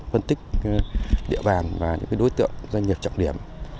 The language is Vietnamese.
phân tích địa bàn và những đối tượng doanh nghiệp trọng điểm